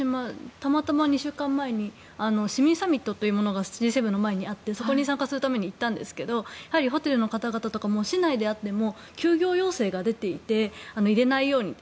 たまたま２週間前に市民サミットというものがＧ７の前にあってそこに参加するために行ったんですけどホテルの方々とかも市内であっても休業要請が出ていて入れないようにと。